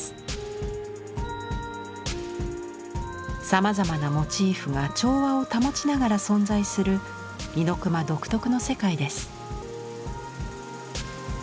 さまざまなモチーフが調和を保ちながら存在する猪熊独特の世界です。